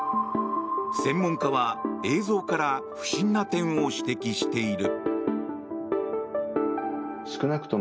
専門家は映像から不審な点を指摘している。